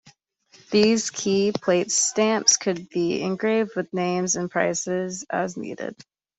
These "key plate stamps" could be engraved with names and prices as needed.